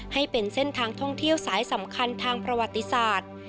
ให้เป็นเส้นทางท่องเที่ยวสายสำคัญทางประวัติศาสตร์